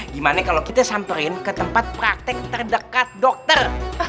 gimana kalau kita samperin ke tempat praktek terdekat dokter